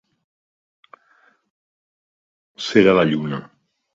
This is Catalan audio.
Ser a la lluna.